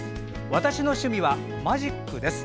私の趣味は、マジックです。